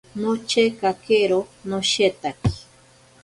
Nochekakero noshetaki.